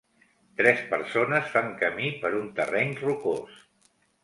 Tres persones fan camí per un terreny rocós.